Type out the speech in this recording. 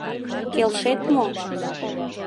Келшет мо?